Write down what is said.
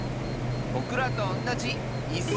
ぼくらとおんなじいす！